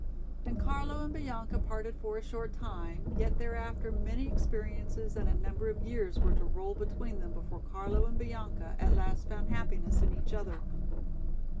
And Carlo and Bianca parted for a short time, yet thereafter many experiences and a number of years were to roll between them before Carlo and Bianca at last found happiness in each other.